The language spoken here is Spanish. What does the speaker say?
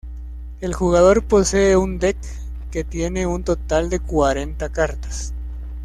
El jugador posee un Deck que tiene un total de cuarenta cartas.